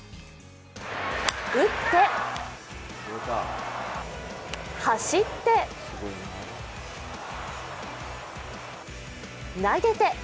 打って、走って、投げて。